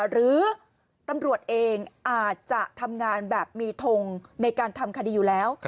หรือตำรวจเองอาจจะทำงานแบบมีทงในการทำคดีอยู่แล้ว